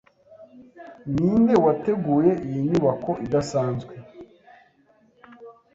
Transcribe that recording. Ninde wateguye iyi nyubako idasanzwe?